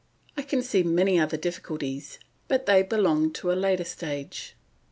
I can see many other difficulties, but they belong to a later stage.